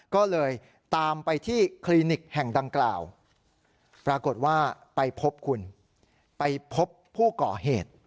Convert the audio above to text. ก็เลยตามไปที่คลินิกแห่งดังกล่าวปรากฏว่าไปพบคุณไปพบผู้ก่อเหตุ